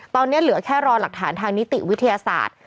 ตอนนี้เหลือแค่รอหลักฐานทางนิติวิทยาศาสตร์